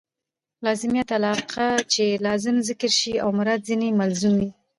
لازمیت علاقه؛ چي لازم ذکر سي او مراد ځني ملزوم يي.